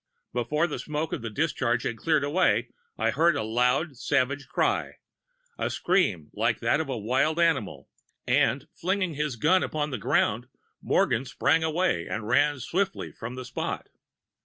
Before the smoke of the discharge had cleared away I heard a loud savage cry a scream like that of a wild animal and, flinging his gun upon the ground, Morgan sprang away and ran swiftly from the spot.